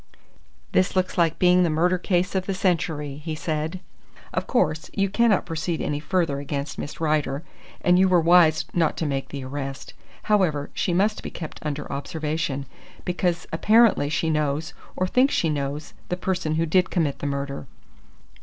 "This looks like being the murder case of the century," he said. "Of course, you cannot proceed any further against Miss Rider, and you were wise not to make the arrest. However, she must be kept under observation, because apparently she knows, or think she knows, the person who did commit the murder.